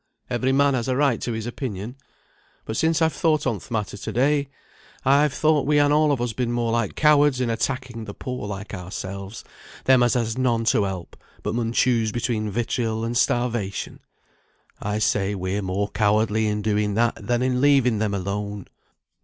every man has a right to his opinion; but since I've thought on th' matter to day, I've thought we han all on us been more like cowards in attacking the poor like ourselves; them as has none to help, but mun choose between vitriol and starvation. I say we're more cowardly in doing that than in leaving them alone.